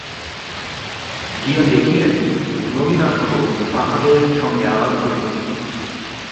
গিয়া দেখিলেন, নলিনাক্ষ তাঁহাদের সঙ্গে আলাপ করিতেছে।